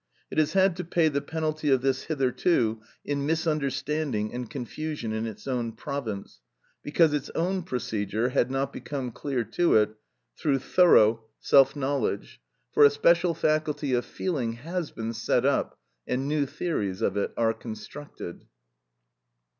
It has had to pay the penalty of this hitherto in misunderstanding and confusion in its own province, because its own procedure had not become clear to it through thorough self knowledge, for a special faculty of feeling has been set up, and new theories of it are constructed.